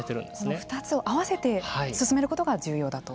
この２つを合わせて進めることが重要だと。